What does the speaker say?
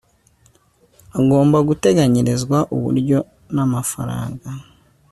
agomba guteganyirizwa uburyo n amafaranga